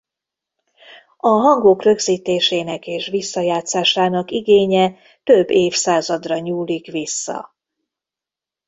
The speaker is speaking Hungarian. A hangok rögzítésének és visszajátszásának igénye több évszázadra nyúlik vissza.